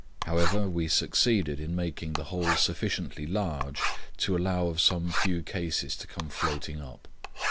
However, we succeeded in making the hole sufficiently large to allow of some few cases to come floating up.